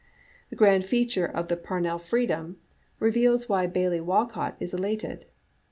'* The Grand Feature of the Par nell Freedom" reveals why Bailie Walcot is elated.